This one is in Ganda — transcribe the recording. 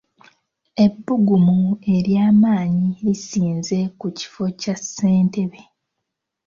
Ebbugumu ery'amaanyi lisinze ku kifo kya ssentebe.